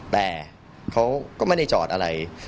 แต่เขาก็ไม่ได้จอดอะไร